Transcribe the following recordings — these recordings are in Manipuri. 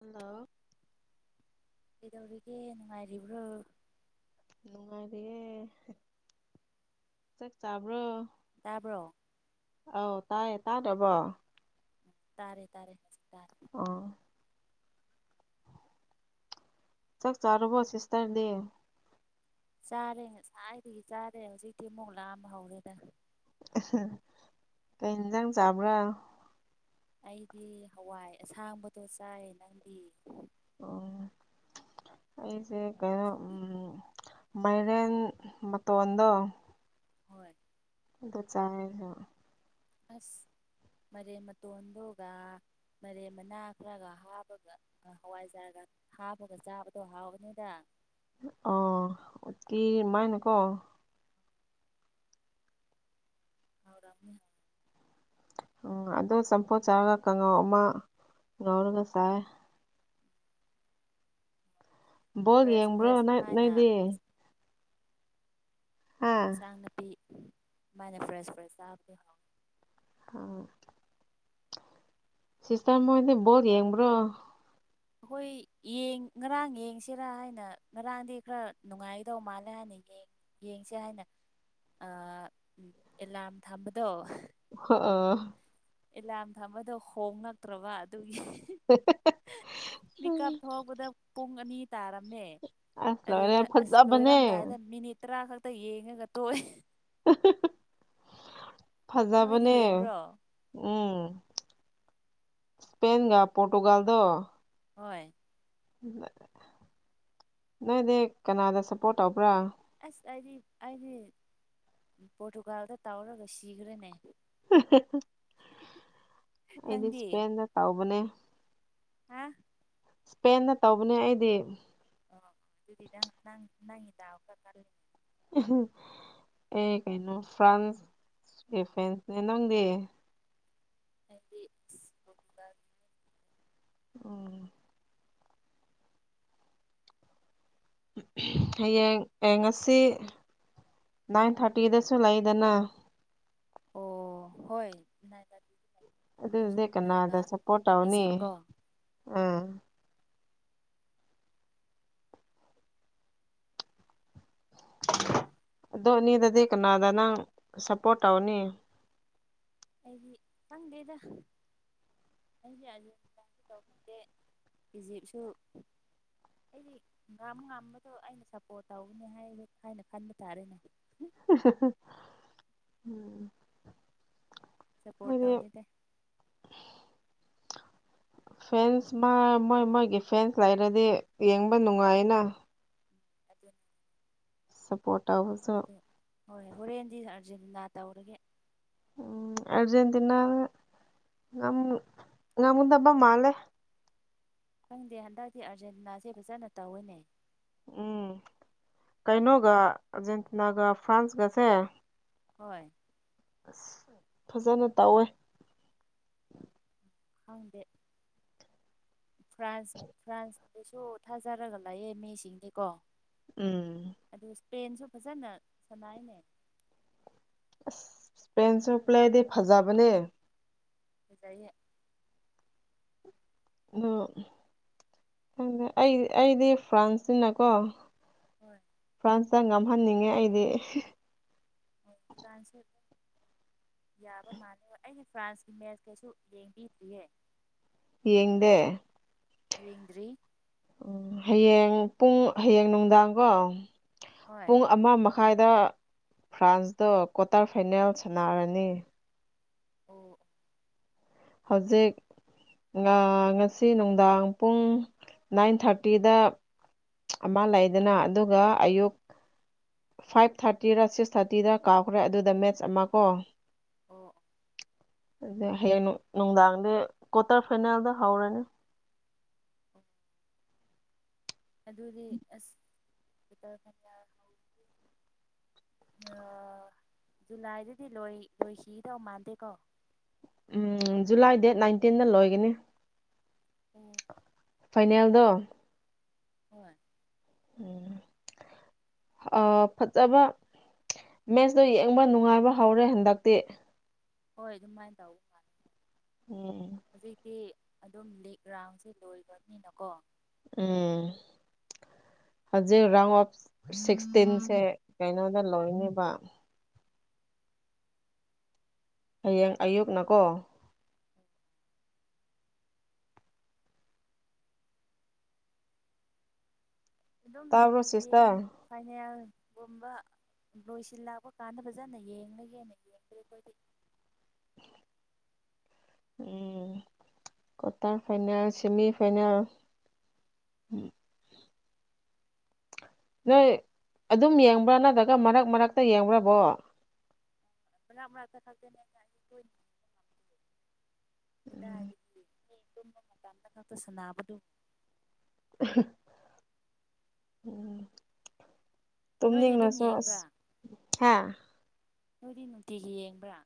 ꯍꯜꯂꯣ꯫ ꯀꯩꯗꯧꯔꯤꯒꯦ ꯅꯨꯡꯉꯥꯏꯔꯤꯕ꯭ꯔꯣ꯫ ꯅꯨꯡꯉꯥꯏꯔꯤꯌꯦ ꯆꯥꯛ ꯆꯥꯕ꯭ꯔꯣ꯫ ꯇꯥꯕ꯭ꯔꯣ꯫ ꯑꯧ ꯇꯥꯏꯌꯦ ꯇꯥꯗꯕ꯭ꯔꯣ ꯇꯥꯔꯦ ꯇꯥꯔꯦ ꯇꯥꯔꯦ꯫ ꯑꯣ꯫ ꯆꯥꯛ ꯆꯥꯔꯕꯣ ꯁꯤꯁꯇꯔꯗꯤ꯫ ꯆꯥꯔꯦ ꯉꯁꯥꯏꯗꯒꯤ ꯆꯥꯔꯦ ꯍꯧꯖꯤꯛꯇꯤ ꯑꯃꯨꯛ ꯂꯥꯝꯕ ꯍꯧꯔꯦꯗ꯫ ꯑꯥ ꯀꯩ ꯏꯟꯖꯥꯡ ꯆꯥꯕ꯭ꯔꯥ꯫ ꯑꯩꯗꯤ ꯍꯋꯥꯏ ꯑꯁꯥꯡꯕꯗꯣ ꯆꯥꯏ ꯅꯪꯗꯤ꯫ ꯑꯣ ꯑꯩꯁꯦ ꯀꯩꯅꯣ ꯎꯝ__ ꯃꯥꯏꯔꯦꯟ ꯃꯇꯣꯟꯗꯣ꯫ ꯍꯣꯏ꯫ ꯑꯗꯨ ꯆꯥꯏ ꯑꯁ ꯃꯥꯏꯔꯦꯜ ꯃꯇꯣꯟꯗꯨꯒ ꯃꯥꯏꯔꯦꯜ ꯃꯅꯥ ꯈꯔꯒ ꯍꯥꯞꯄꯒ ꯑꯥ ꯍꯋꯥꯏꯖꯥꯔꯒ ꯍꯥꯞꯄꯒ ꯆꯥꯕꯗꯣ ꯍꯥꯎꯕꯅꯤꯗ ꯑ ꯎꯇꯤ ꯑꯃꯥꯏꯅꯀꯣ ꯍꯥꯎꯔꯝꯅꯤ ꯎꯝ ꯑꯗꯣ ꯆꯝꯐꯨꯠ ꯆꯥꯔꯒ ꯀꯥꯡꯉꯥꯎ ꯑꯃ ꯉꯥꯎꯔꯒ ꯆꯥꯏ ꯕꯣꯜ ꯐ꯭ꯔꯦꯁ ꯌꯦꯡꯕ꯭ꯔꯣ ꯐ꯭ꯔꯦꯁ ꯁꯨꯃꯥꯏꯅ ꯅꯣꯏꯗꯤ ꯍꯥ ꯏꯟꯁꯥꯡ ꯅꯥꯄꯤ ꯑꯗꯨꯃꯥꯏꯅ ꯐ꯭ꯔꯦꯁ ꯐ꯭ꯔꯦꯁ ꯆꯥꯕꯗꯣ ꯍꯥꯎꯋꯤ ꯑꯥ ꯁꯤꯁꯇꯔ ꯅꯣꯏꯗꯤ ꯕꯣꯜ ꯌꯦꯡꯕ꯭ꯔꯣ ꯑꯩꯈꯣꯏ ꯌꯦꯡ ꯉꯔꯥꯡ ꯌꯦꯡꯁꯤꯔꯥ ꯍꯥꯏꯅ ꯉꯔꯥꯡꯗꯤ ꯈꯔ ꯅꯨꯡꯉꯥꯏꯒꯗꯧ ꯃꯥꯜꯂꯦ ꯍꯥꯏꯅ ꯌꯦꯡꯉꯦ ꯌꯦꯡꯁꯦ ꯍꯥꯏꯅ ꯑꯥ ꯑꯦꯂꯥꯔꯝ ꯊꯝꯕꯗꯣ ꯍꯑꯥ ꯑꯦꯂꯥꯔꯝ ꯊꯝꯕꯗꯣ ꯈꯣꯡꯂꯛꯇ꯭ꯔꯕ ꯑꯗꯨꯒꯤ ꯍꯣꯏ [unintelligible] ꯃꯤꯠꯀꯞ ꯊꯣꯛꯕꯗ ꯄꯨꯡ ꯑꯅꯤ ꯇꯥꯔꯝꯃꯦ ꯑꯁ ꯂꯣꯏꯔꯦ ꯑꯗꯨꯗ ꯑꯁ ꯐꯖꯕꯅꯦ ꯂꯣꯏꯔꯝꯗꯥꯏꯗ ꯃꯤꯅꯤꯠ ꯇꯔꯥ ꯈꯛꯇ ꯌꯦꯡꯉꯒ ꯇꯣꯛꯑꯦ ꯅꯣꯏꯗꯤ ꯐꯖꯕꯅꯦ ꯌꯦꯡꯕ꯭ꯔꯣ ꯎꯝ ꯏꯁꯄꯦꯟꯒ ꯄꯣꯔꯇꯨꯒꯜꯗꯣ ꯍꯣꯏ ꯅꯣꯏꯗꯤ ꯀꯅꯥꯗ ꯁꯞꯄꯣꯔꯠ ꯇꯧꯕ꯭ꯔꯥ ꯑꯁ ꯑꯩꯗꯤ ꯑꯩꯗꯤ ꯄꯣꯔꯇꯨꯒꯥꯜꯗ ꯇꯧꯔꯒ ꯁꯤꯈ꯭ꯔꯦꯅꯦ [unintelligible] ꯑꯩꯗꯤ ꯅꯪꯗꯤ ꯏꯁꯄꯦꯟꯗ ꯇꯧꯕꯅꯦ ꯍꯥ ꯄꯦꯟꯗ ꯇꯧꯕꯅꯦ ꯑꯩꯗꯤ ꯑꯣ ꯑꯗꯨꯗꯤ ꯅꯪ ꯅꯪꯒꯤ ꯗꯥꯎ ꯀꯜꯂꯤ ꯑꯩ ꯀꯩꯅꯣ ꯐ꯭ꯔꯥꯟꯁ ꯏꯁꯄꯦꯟꯅꯦ ꯅꯪꯗꯤ ꯑꯩꯗꯤ ꯄꯣꯔꯇꯨꯒꯜ ꯎꯝ ꯍꯌꯦꯡ ꯍꯌꯦꯡ ꯉꯁꯤ ꯅꯥꯏꯟ ꯊꯥꯔꯇꯤꯗꯁꯨ ꯂꯩꯗꯅ ꯑꯣ ꯍꯣꯏ ꯑꯗꯨꯗꯤ ꯑꯥꯔꯖꯦꯟꯇꯤꯅꯥꯒ ꯀꯅꯥꯗ ꯁꯞꯄꯣꯔꯠ ꯇꯧꯅꯤ ꯏꯖꯤꯞ ꯀꯣ ꯑꯥ ꯑꯗꯣ ꯑꯅꯤꯗꯨꯗꯤ ꯀꯅꯥꯗ ꯅꯪ ꯁꯞꯄꯣꯔꯠ ꯇꯧꯅꯤ ꯑꯩꯗꯤ ꯈꯪꯗꯦꯗ ꯑꯩꯁꯦ ꯑꯥꯔꯖꯦꯟꯇꯤꯅꯥꯁꯨ ꯇꯧꯅꯤꯡꯗꯦ ꯏꯖꯤꯞꯁꯨ ꯑꯩꯗꯤ ꯉꯝ ꯉꯝꯕꯗꯣ ꯑꯩꯅ ꯁꯞꯄꯣꯔꯠ ꯇꯧꯒꯅꯤ ꯍꯥꯏ ꯍꯥꯏꯅ ꯈꯟꯕ ꯇꯥꯔꯦꯅꯦ [unintelligible] ꯁꯞꯄꯣꯔꯠ ꯇꯧꯗꯦ ꯐꯦꯟꯁ ꯃꯥ ꯃꯣꯏ ꯃꯣꯏꯒꯤ ꯐꯦꯟꯁ ꯂꯩꯔꯗꯤ ꯌꯦꯡꯕ ꯅꯨꯡꯉꯥꯏꯅ ꯑꯗꯨꯅꯤ ꯐꯣꯜ ꯇꯧꯕꯨꯁꯨ ꯑꯗꯨ ꯍꯣꯏ ꯍꯣꯔꯦꯟꯗꯤ ꯑꯥꯔꯖꯦꯟꯇꯤꯅꯥ ꯇꯧꯔꯒꯦ ꯎꯝ ꯑꯔꯖꯦꯟꯇꯤꯅꯥꯅ ꯉꯝꯒꯗꯕ ꯃꯥꯜꯂꯦ ꯈꯪꯗꯦ ꯍꯟꯗꯛꯇꯤ ꯑꯥꯔꯖꯦꯟꯇꯤꯅꯥꯁꯦ ꯐꯖꯅ ꯇꯧꯋꯤꯅꯦ ꯎꯝ ꯀꯩꯅꯣꯒ ꯑꯔꯖꯦꯟꯇꯤꯅꯥꯒ ꯐ꯭ꯔꯥꯟꯁꯒꯁꯦ ꯍꯣꯏ ꯑꯁ ꯐꯖꯅ ꯇꯧꯋꯦ ꯈꯪꯗꯦ ꯐ꯭ꯔꯥꯟꯁ ꯐ꯭ꯔꯥꯟꯁꯗꯁꯨ ꯊꯥꯖꯔꯒ ꯂꯩꯌꯦ ꯃꯤꯁꯤꯡꯗꯤꯀꯣ ꯎꯝ ꯑꯗꯨ ꯏꯁꯄꯦꯟꯁꯨ ꯐꯖꯅ ꯁꯅꯥꯏꯅꯦ ꯏꯁꯄꯦꯟꯁꯨ ꯄ꯭ꯂꯦꯗꯤ ꯐꯖꯕꯅꯦ [unintelligible] ꯑꯣ ꯑꯩ ꯑꯩꯗꯤ ꯐ꯭ꯔꯥꯟꯁꯅꯤꯅꯀꯣ ꯍꯣꯏ ꯐ꯭ꯔꯥꯟꯁꯇ ꯉꯝꯍꯟꯅꯤꯡꯉꯦ ꯑꯩꯗꯤ ꯑꯣ ꯇꯥꯟꯁꯤ ꯌꯥꯕ ꯃꯥꯥꯟꯂꯕ ꯑꯩꯅ ꯐ꯭ꯔꯥꯟꯁꯀꯤ ꯃꯦꯠꯁ ꯀꯩꯁꯨ ꯂꯦꯡꯕꯤꯗꯌꯦ ꯌꯦꯡꯗꯦ ꯌꯦꯡꯗ꯭ꯔꯤ ꯎꯝ ꯍꯌꯦꯡ ꯄꯨꯡ ꯍꯌꯦꯡ ꯅꯨꯡꯗꯥꯡꯀꯣ ꯍꯣꯏ ꯄꯨꯡ ꯑꯃ ꯃꯈꯥꯏꯗ ꯐ꯭ꯔꯥꯟꯁꯇ ꯀ꯭ꯋꯥꯇꯔ ꯐꯥꯏꯅꯦꯜ ꯁꯥꯟꯅꯔꯅꯤ ꯑꯣ ꯍꯧꯖꯤꯛ ꯉꯁꯤ ꯅꯨꯡꯗꯥꯡ ꯄꯨꯡ ꯅꯥꯏꯟ ꯊꯥꯔꯇꯤꯗ ꯑꯃ ꯂꯩꯗꯅ ꯑꯗꯨꯒ ꯑꯌꯨꯛ ꯐꯥꯏꯚ ꯊꯥꯔꯇꯤꯔ ꯁꯤꯛꯁ ꯊꯥꯔꯇꯤꯗ ꯀꯥꯎꯈ꯭ꯔꯦ ꯑꯗꯨꯗ ꯃꯦꯠꯆ ꯑꯃ ꯀꯣ ꯑꯣ ꯍꯌꯦꯡ ꯅꯨꯡꯗꯥꯡꯗ ꯀ꯭ꯋꯥꯇꯔ ꯐꯥꯏꯅꯦꯜꯗ ꯍꯧꯔꯅꯦ [unintelligible] ꯑꯗꯨꯗꯤ ꯑꯁ [unintelligible] ꯖꯨꯂꯥꯏꯗꯗꯤ ꯂꯣꯏ ꯂꯣꯏꯁꯤꯒꯗꯧ ꯃꯥꯟꯗꯦꯀꯣ ꯎꯝ ꯖꯨꯂꯥꯏ ꯗꯦꯠ ꯅꯥꯏꯟꯇꯤꯟꯗ ꯂꯣꯏꯒꯅꯤ ꯐꯥꯏꯅꯦꯜꯗ ꯍꯣꯏ [unintelligible] ꯐꯖꯕ ꯃꯦꯠꯁꯇꯣ ꯌꯦꯡꯕ ꯅꯨꯡꯉꯥꯏꯕ ꯍꯧꯔꯦ ꯍꯟꯗꯛꯇꯤ ꯍꯣꯏ ꯑꯗꯨꯃꯥꯏꯅ ꯇꯧꯕ ꯃꯥꯅꯤ ꯎꯝ ꯍꯧꯖꯤꯛꯇꯤ ꯑꯗꯨꯝ ꯂꯤꯛ ꯔꯥꯎꯟꯁꯦ ꯂꯣꯏꯈ꯭ꯔꯅꯤꯅꯀꯣ ꯎꯝ ꯍꯧꯖꯤꯛ ꯔꯥꯎ ꯑꯣꯐ ꯁꯤꯛꯁꯇꯤꯟꯁꯦ ꯀꯩꯅꯣꯗ ꯂꯣꯢꯅꯦꯕ ꯍꯌꯦꯡ ꯑꯌꯨꯛꯅꯀꯣ ꯑꯗꯨꯝ ꯇꯥꯕ꯭ꯔꯣ ꯌꯦꯡꯌꯦ ꯁꯤꯁꯇꯔ ꯐꯥꯏꯅꯦꯜꯒꯨꯝꯕ ꯂꯣꯏꯁꯤꯜꯂꯥꯛꯄ ꯀꯥꯟꯅꯕ ꯐꯖꯅ ꯌꯦꯡꯂꯥꯒꯦꯅ ꯌꯦꯡꯗꯦ ꯑꯩꯈꯣꯏꯗꯤ ꯎꯝ ꯀ꯭ꯋꯥꯇꯔ ꯐꯥꯏꯅꯦꯜ ꯁꯤꯃꯤ ꯐꯥꯏꯅꯦꯜ ꯅꯣꯏ ꯑꯗꯨꯝ ꯌꯦꯡꯕ꯭ꯔꯥ ꯅꯠꯇ꯭ꯔꯒ ꯃꯔꯛ ꯃꯔꯛꯇ ꯌꯦꯡꯕ꯭ꯔꯕꯣ ꯃꯔꯛ ꯃꯔꯛꯇꯥ ꯈꯛ ꯇꯅꯤꯗꯥ ꯀꯗꯥꯏꯗꯒꯤ [unintelligible] [unintelligible] ꯅꯣꯏꯗꯤ ꯑꯗꯨꯝ ꯇꯨꯝꯅꯤꯡꯉꯥꯁꯨ ꯌꯦꯡꯕ꯭ꯔꯥ ꯍꯥ ꯅꯣꯏꯗꯤ ꯅꯨꯡꯇꯤꯒꯤ ꯌꯦꯡꯕ꯭ꯔꯥ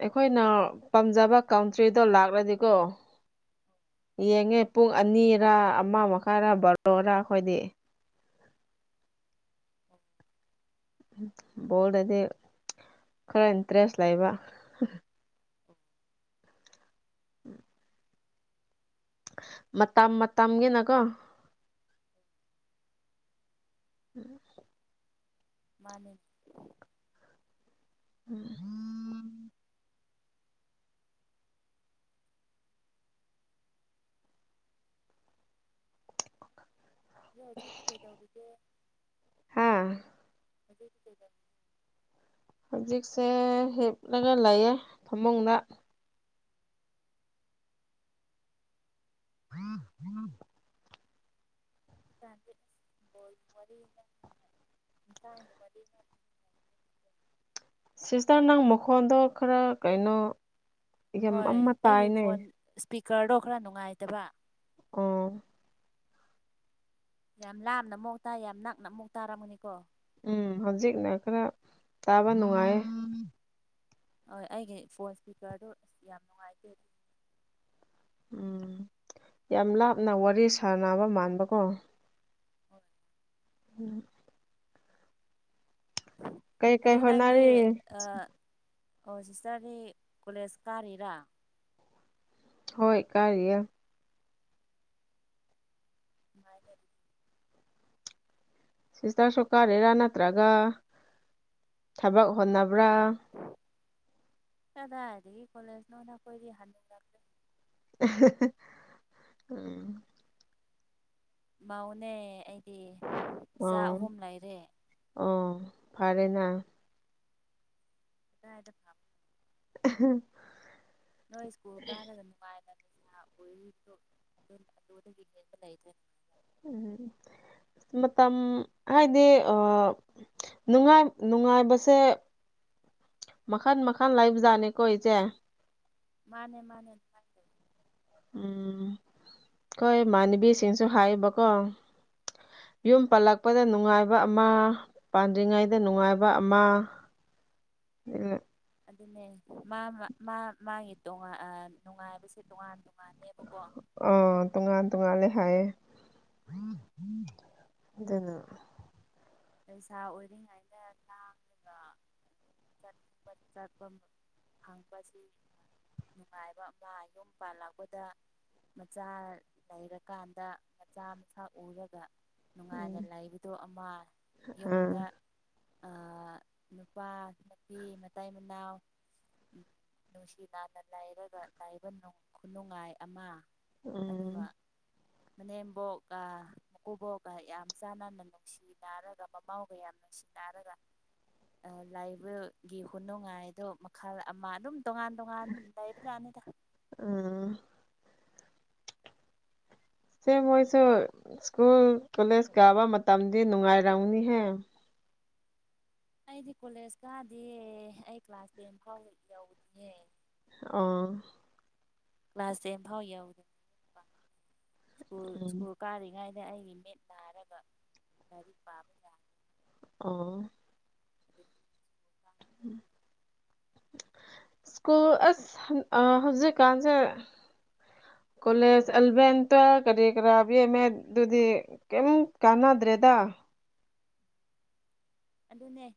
ꯑꯩꯈꯣꯏꯅ ꯄꯥꯝꯖꯕ ꯀꯥꯟꯇ꯭ꯔꯤꯗꯣ ꯂꯥꯛꯂꯥꯗꯤꯀꯣ ꯌꯦꯡꯉꯦ ꯄꯨꯡ ꯑꯅꯤꯔ ꯑꯃ ꯃꯈꯥꯏꯔ ꯕꯥꯔꯣꯔꯥ ꯑꯩꯈꯣꯏꯗꯤ ꯕꯣꯜꯗꯗꯤ ꯈꯔ ꯏꯟꯇꯔꯦꯁ ꯂꯩꯕ [unintelligible] ꯃꯇꯝ ꯃꯇꯝꯒꯤꯅꯀꯣ ꯎꯝ ꯃꯥꯅꯦ ꯎꯝ ꯎꯝ ꯑꯗꯣ ꯍꯧꯖꯤꯛꯇꯤ ꯀꯩꯗꯧꯔꯤꯒꯦ ꯍꯥꯥ [unintelligible] ꯍꯧꯖꯤꯛꯁꯦ ꯍꯤꯞꯂꯒ ꯂꯩꯌꯦ ꯐꯃꯨꯡꯗ [unintelligible] [unintelligible] ꯁꯤꯁꯇꯔ ꯅꯪ ꯃꯈꯣꯟꯗꯣ ꯈꯔ ꯀꯩꯅꯣ ꯌꯥꯝ ꯍꯣꯏ ꯑꯃ ꯑꯩꯒꯤ ꯇꯥꯏꯅꯦ ꯐꯣꯟ ꯏꯁꯄꯤꯀꯔꯗꯣ ꯈꯔ ꯅꯨꯡꯉꯥꯏꯇꯕ ꯑꯣ ꯌꯥꯝ ꯂꯥꯞꯅ ꯑꯃꯨꯛ ꯇꯥꯏ ꯌꯥꯝ ꯅꯛꯅ ꯑꯃꯨꯛ ꯇꯥꯔꯝꯒꯅꯤꯀꯣ ꯎꯝ ꯍꯧꯖꯤꯛꯅ ꯈꯔ ꯇꯥꯕ ꯅꯨꯡꯉꯥꯏ ꯍꯣꯏ ꯑꯩꯒꯤ ꯐꯣꯟ ꯏꯁꯄꯤꯀꯔꯗꯨ ꯌꯥꯝ ꯅꯨꯡꯉꯥꯏꯇꯦ ꯎꯝ ꯌꯥꯝ ꯂꯥꯞꯅ ꯋꯥꯔꯤ ꯁꯥꯥꯟꯅꯕ ꯃꯥꯟꯕꯀꯣ ꯍꯣꯏ ꯎꯝ ꯀꯩ ꯀꯩ ꯑꯗꯣ ꯅꯪꯗꯤ ꯍꯣꯠꯅꯔꯤ ꯑꯥ ꯁꯤꯁꯇꯔꯗꯤ ꯀꯣꯂꯦꯖ ꯀꯥꯔꯤꯔꯥ ꯍꯣꯏ ꯀꯔꯤꯌꯦ [unintelligible] ꯁꯤꯁꯇꯔꯁꯨ ꯀꯔꯤꯔꯥ ꯅꯠꯇ꯭ꯔꯒ ꯊꯕꯛ ꯍꯣꯠꯅꯕ꯭ꯔꯥ ꯀꯗꯥꯏꯗꯒꯤ ꯀꯣꯂꯦꯖꯅꯣꯗ ꯈꯣꯏꯗꯤ ꯍꯥꯅꯨꯔꯦ [unintelligible] ꯃꯧꯅꯦ ꯑꯩꯗꯤ ꯏꯆꯥ ꯑꯣ ꯑꯍꯨꯝ ꯂꯩꯔꯦ ꯑꯣ ꯐꯔꯦꯅꯥ [unintelligible] [unintelligible] ꯅꯣꯏ ꯁ꯭ꯀꯨꯜ ꯀꯥꯔꯒ ꯅꯨꯡꯉꯥꯏꯅ ꯅꯤꯁꯥ [unintelligible] ꯑꯣꯏꯗꯣ ꯑꯗꯨꯗꯒꯤ ꯌꯦꯟꯕ ꯂꯩꯗꯅ ꯎꯝ ꯃꯇꯥꯝ ꯍꯥꯏꯗꯤ ꯑꯥ ꯅꯨꯡꯉꯥꯏ ꯅꯨꯡꯉꯥꯏꯕꯁꯦ ꯃꯈꯜ ꯃꯈꯜ ꯂꯩꯕ ꯖꯥꯠꯅꯤꯀꯣ ꯏꯆꯦ ꯃꯥꯅꯦ ꯃꯥꯅꯦ ꯇꯧꯋꯤ ꯎꯝ ꯑꯩꯈꯣ ꯏꯃꯥꯅꯕꯤꯁꯤꯡꯁꯨ ꯍꯥꯏꯑꯦꯕꯀꯣ ꯌꯨꯝ ꯄꯜꯂꯛꯄꯗ ꯅꯨꯡꯉꯥꯏꯕ ꯑꯃ ꯄꯥꯟꯗ꯭ꯔꯤꯉꯩꯗ ꯅꯨꯡꯉꯥꯏꯕ ꯑꯃ ꯑꯗꯨꯅꯦ ꯃꯥꯒꯤ ꯇꯣꯉꯥꯟ ꯅꯨꯡꯉꯥꯏꯕꯁꯦ ꯇꯣꯉꯥꯟ ꯃꯥꯜꯂꯦꯕꯒꯣ ꯑꯥ ꯇꯣꯉꯥꯟ ꯇꯣꯉꯥꯟꯂꯦ ꯍꯥꯏꯌꯦ ꯑꯗꯨꯅ ꯂꯩꯁꯥ ꯑꯣꯏꯔꯤꯉꯥꯏꯅ ꯂꯥꯡꯕ ꯆꯠꯅꯤꯡ ꯆꯠꯄ ꯐꯪꯕꯁꯤ ꯅꯨꯡꯉꯥꯏꯕ ꯃꯥ ꯌꯨꯝ ꯄꯥꯜꯂꯛꯄꯗ ꯃꯆꯥ ꯂꯩꯔꯀꯥꯟꯗ ꯃꯆꯥ ꯃꯁꯨ ꯎꯔꯒꯥꯟꯗ ꯎꯝ ꯅꯨꯡꯉꯥꯏꯅ ꯂꯩꯕꯗꯣ ꯑꯃ ꯑꯥ ꯌꯨꯝꯗ ꯅꯨꯄꯥ ꯅꯨꯄꯤ ꯃꯇꯩ ꯃꯅꯥꯎ ꯅꯨꯡꯁꯤ ꯅꯥꯅ ꯂꯩꯔꯒ ꯂꯩꯕ ꯈꯨꯅꯨꯡꯉꯥꯏ ꯑꯃ ꯑꯗꯨꯒ ꯎꯝ ꯃꯅꯦꯝꯕꯣꯛꯀ ꯃꯀꯨꯕꯣꯛꯒ ꯌꯥꯝ ꯆꯥꯟꯅꯅ ꯅꯨꯡꯁꯤꯃꯤꯟꯅꯔꯒ ꯃꯥꯃꯧꯒ ꯌꯥꯝꯅ ꯅꯨꯡꯁꯤꯅꯔꯒ ꯂꯩꯕꯒꯤ ꯈꯨꯅꯨꯡꯉꯥꯏꯗꯣ ꯃꯈꯜ ꯑꯃ ꯑꯗꯨꯝ ꯇꯣꯉꯥꯟ ꯇꯣꯉꯥꯟ ꯂꯩꯕ ꯖꯥꯠꯅꯤꯗ ꯑꯝ ꯁꯦ ꯃꯣꯏꯁꯨ ꯁ꯭ꯀꯨꯜ ꯀꯣꯂꯦꯖ ꯀꯥꯕ ꯃꯇꯝꯗꯤ ꯅꯨꯡꯉꯥꯏꯔꯝꯅꯤꯍꯦ ꯑꯩꯗꯤ ꯀꯣꯂꯦꯖ ꯀꯥꯗꯦꯌꯦ ꯑꯩ ꯀ꯭ꯂꯥꯁ ꯇꯦꯟ ꯐꯥꯎ ꯌꯧꯗꯦ ꯑꯥ ꯀ꯭ꯂꯥꯁ ꯇꯦꯟ ꯐꯥꯎ ꯌꯥꯎꯗꯦ ꯁ꯭ꯀꯨꯜ ꯎꯝ ꯁ꯭ꯀꯨꯜ ꯀꯥꯔꯤꯉꯩꯗ ꯑꯩꯒꯤ ꯃꯤꯦꯠ ꯅꯥꯒ ꯂꯥꯢꯔꯤꯛ ꯄꯥꯕ ꯌꯥꯗ꯭ꯔꯦ ꯑꯥ [inaudible] ꯎꯝ [unintelligible] ꯁ꯭ꯀꯨꯜ ꯑꯁ ꯍꯟ ꯑꯥ ꯍꯧꯖꯤꯛꯀꯥꯟꯁꯦ ꯀꯣꯂꯦꯖ, ꯑꯦꯜꯚꯦꯟ, ꯇ꯭ꯋꯦꯜꯐ ꯀꯔꯤ ꯀꯔꯥ ꯕꯤ ꯌꯦ ꯑꯦꯝ ꯃꯦꯠ ꯗꯨꯗꯤ ꯀꯦꯝ ꯀꯥꯟꯅꯗ꯭ꯔꯦꯗꯥ ꯑꯗꯨꯅꯦ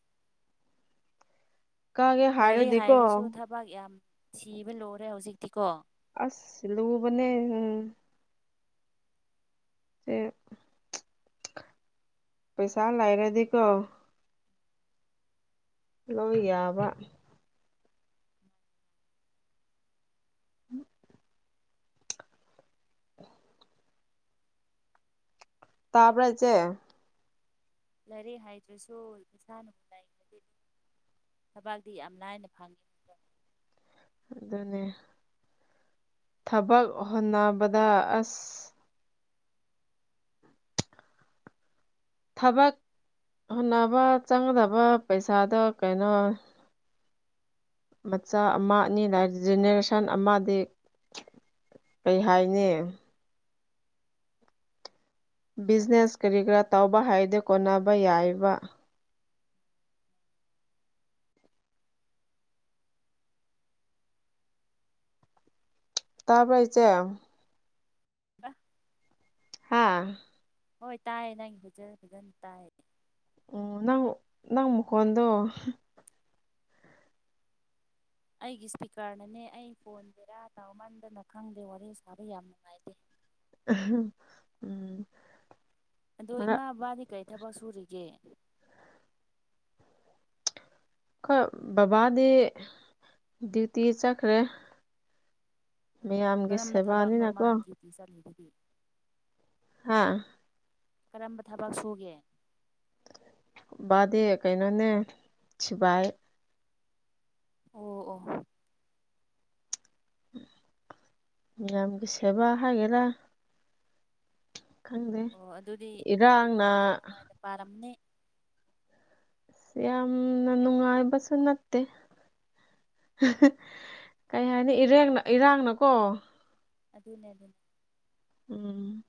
ꯀꯥꯒꯦ ꯂꯥꯏꯔꯤꯛ ꯍꯥꯏꯔꯗꯤꯀꯣ ꯍꯥꯏꯔꯁꯨ ꯊꯕꯥꯛ ꯌꯥꯝ ꯊꯤꯕ ꯂꯨꯔꯦ ꯍꯧꯖꯤꯛꯇꯤꯀꯣ ꯑꯁ ꯂꯨꯕꯅꯦ ꯎꯝ ꯆꯦ [unintelligible] ꯄꯩꯁꯥ ꯂꯩꯥꯔꯗꯤꯀꯣ ꯂꯣꯏ ꯌꯥꯕ [unintelligible] [unintelligible] ꯇꯥꯕ꯭ꯔꯥ ꯏꯆꯦ? ꯂꯥꯏꯔꯤꯛ ꯍꯥꯏꯇ꯭ꯔꯁꯨ ꯄꯪꯁꯥꯅꯕꯨ ꯂꯩꯈ꯭ꯔꯗꯤ ꯗꯨꯝ ꯊꯕꯥꯛꯇꯤ ꯌꯥꯝ ꯂꯥꯏꯅ ꯐꯪꯉꯦ ꯑꯗꯨꯅꯦ ꯊꯥꯕꯛ ꯍꯣꯟꯅꯕꯗ ꯑꯁ ꯊꯥꯕꯛ ꯍꯣꯠꯅꯕ ꯆꯪꯒꯗꯕ ꯄꯩꯁꯥꯗꯣ ꯀꯩꯅꯣ ꯃꯆꯥ ꯑꯃ ꯑꯅꯤ ꯂꯥꯏꯐ ꯖꯦꯅꯦꯔꯦꯁꯟ ꯑꯃꯗꯤ [unintelligible] ꯀꯩ ꯍꯥꯏꯅꯤ ꯕꯤꯖꯅꯦꯁ ꯀꯔꯤ ꯀꯔꯥ ꯇꯧꯕ ꯍꯥꯏꯗꯦ ꯀꯣꯟꯅꯕ ꯌꯥꯏꯌꯦꯕ ꯇꯥꯕ꯭ꯔꯥ ꯏꯆꯦꯝ? [unintelligible] ꯍꯥꯥ ꯍꯣꯏ ꯇꯥꯏꯌꯦ ꯅꯪꯒꯤ ꯐꯖ ꯐꯖꯅ ꯇꯥꯏ ꯎꯝ ꯅꯪ ꯅꯪ ꯃꯈꯣꯟꯗꯣ [unintelligible] ꯑꯩꯒꯤ ꯁ꯭ꯄꯤꯀꯔꯅꯅꯦ ꯑꯩ ꯐꯣꯟ ꯕꯦꯔꯥ ꯇꯥꯎꯃꯟꯗꯅ ꯈꯪꯗꯦ ꯋꯥꯔꯤ ꯁꯥꯕ ꯌꯥꯝ ꯅꯨꯡꯉꯥꯏꯇꯦ꯫ ꯑꯥ [unintelligible] ꯎꯝ ꯑꯗꯣ ꯃꯔꯛ ꯏꯃꯥ ꯕꯕꯥꯗꯤ ꯀꯩ ꯊꯕꯛ ꯁꯨꯔꯤꯒꯦ? ꯈꯣꯏ ꯕꯕꯥꯗꯤ ꯗ꯭ꯌꯨꯇꯤ ꯆꯠꯈ꯭ꯔꯦ꯫ ꯃꯌꯥꯝꯒꯤ ꯁꯦꯕꯥ ꯅꯤꯅꯥꯀꯣ ꯃꯤꯆꯝꯒꯤꯗꯨꯗꯤ ꯍꯥꯥ ꯀꯔꯝꯕ ꯊꯕꯛ ꯁꯨꯒꯦ? ꯕꯥꯗꯤ ꯀꯩꯅꯣꯅꯦ ꯁꯤꯕꯥꯥꯏ ꯑꯣ ꯑꯣ ꯃꯤꯌꯥꯝꯒꯤ ꯁꯦꯕꯥ ꯍꯥꯏꯒꯦꯔꯥ ꯈꯪꯗꯦ ꯑꯣ ꯑꯗꯨꯗꯤ ꯑꯗꯨꯗꯤ ꯏꯔꯥꯡꯅ ꯑꯁ ꯅꯨꯡꯉꯥꯏꯅ ꯄꯥꯔꯝꯅꯤ ꯁꯥ ꯌꯥꯝꯅ ꯅꯨꯡꯉꯥꯏꯕꯁꯨ ꯅꯠꯇꯦ [unintelligible] ꯀꯩ ꯍꯥꯏꯅꯤ ꯏꯔꯦꯡꯅ ꯏꯔꯥꯡꯅꯀꯣ ꯑꯗꯨꯅꯦ ꯑꯗꯨꯅꯦ ꯎꯝ